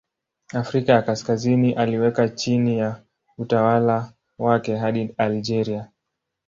Afrika ya Kaskazini aliweka chini ya utawala wake hadi Algeria.